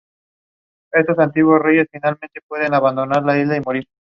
A su regreso a Puerto Rico, empezó a trabajar en este campo.